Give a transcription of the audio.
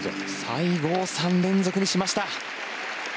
最後を３連続にしました。